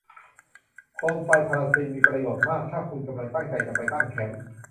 โคมไฟพาราฟินมีประโยชน์มากถ้าคุณกำลังตั้งใจจะไปตั้งแคมป์